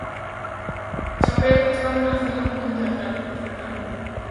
Chapeu está moi relacionada co mundo teatral, co espectáculo.